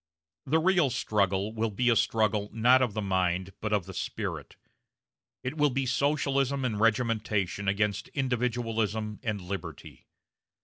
The real struggle will be a struggle not of the mind but of the spirit; it will be Socialism and regimentation against individualism and liberty.